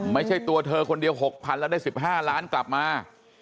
ไม่ใช่ตัวเธอคนเดียว๖๐๐๐แล้วได้๑๕ล้านกลับมา